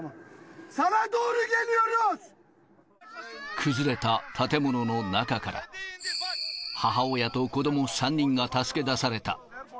崩れた建物の中から、母親と子ども３人が助け出された。